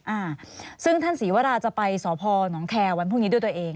อ่าซึ่งท่านศรีวราจะไปสพนแคร์วันพรุ่งนี้ด้วยตัวเอง